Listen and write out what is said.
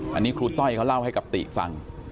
อันนี้ครูต้อยเขาเล่าให้กับติฟัง